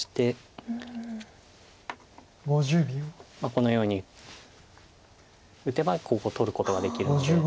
このように打てばここ取ることができるので。